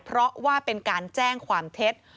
เพราะว่าเป็นการแจ้งความเท็จ